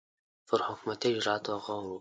پر حکومتي اجرآتو غور کوي.